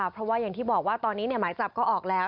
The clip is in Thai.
เพราะว่าอย่างที่บอกว่าตอนนี้หมายจับก็ออกแล้ว